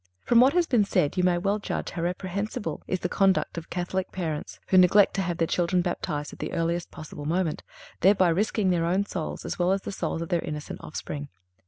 From what has been said you may well judge how reprehensible is the conduct of Catholic parents who neglect to have their children baptized at the earliest possible moment, thereby risking their own souls, as well as the souls of their innocent offspring.